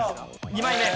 ２枚目。